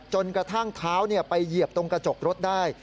จนกระทั่งเท้าไปเหยียบตรงกระจกรถได้